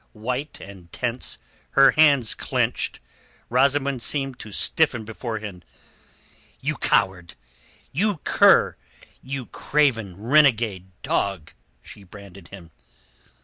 White and tense, her hands clenched, Rosamund seemed to stiffen before him. "You coward! You cur! You craven renegade dog!" she branded him.